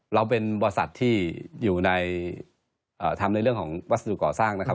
เราเป็นบริษัทที่อยู่ในทำในเรื่องของวัสดุก่อสร้างนะครับ